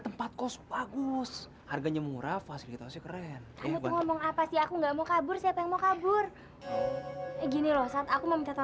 sampai jumpa di video selanjutnya